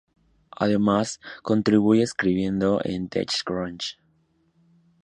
Además contribuye escribiendo en TechCrunch.